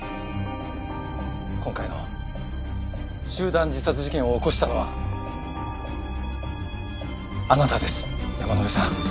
今回の集団自殺事件を起こしたのはあなたです山之辺さん。